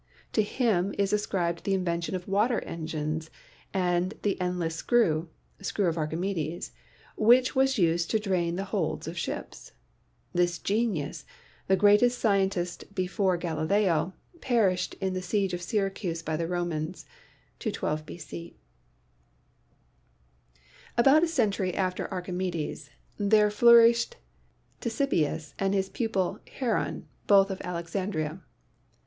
To him is ascribed the invention of war engines and the endless screw ("screw of Archimedes") which was used to drain the holds of ships. This genius, "the greatest scientist before Galileo," perished in the siege of Syracuse by the Romans (212 B.C.). About a century after Archimedes there flourished AN ANALYSIS OF MATTER 9 Ctesibius and his pupil Heron, both of Alexandria.